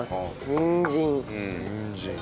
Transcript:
にんじん。